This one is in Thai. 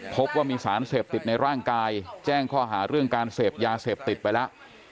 พบว่ามีสารเสพติดในร่างกายแจ้งข้อหาเรื่องการเสพยาเสพติดไปแล้ว